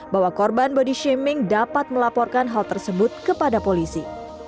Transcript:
bahwa korban body shaming dapat melaporkan hal tersebut kepada polisi